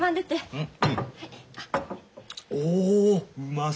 うん。